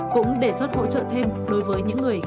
cũng đề xuất hỗ trợ thêm đối với những người